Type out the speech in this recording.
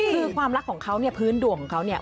คือความรักของเขาเนี่ยพื้นดวงของเขาเนี่ย